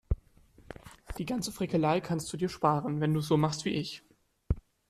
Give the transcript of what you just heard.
Die ganze Frickelei kannst du dir sparen, wenn du es so machst wie ich.